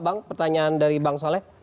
bang pertanyaan dari bang soleh